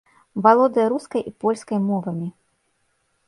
Валодае рускай і польскай мовамі.